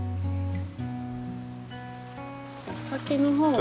先の方が。